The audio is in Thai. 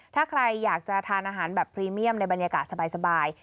ถ้าใครอยากจะทานอาหารแบบพรีเมียมในบรรยากาศสบาย